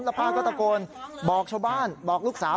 ป้าก็ตะโกนบอกชาวบ้านบอกลูกสาว